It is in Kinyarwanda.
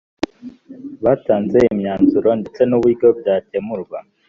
batanze imyanzuro ndetse n’uburyo byakemuwe